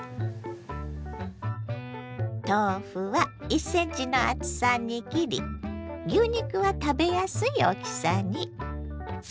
豆腐は１ｃｍの厚さに切り牛肉は食べやすい大きさに。